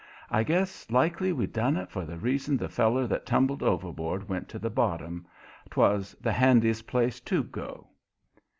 I guess likely we done it for the reason the feller that tumbled overboard went to the bottom 'twas the handiest place TO go.